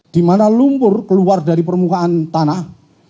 dimana lumpur keluar dari permukaan tanah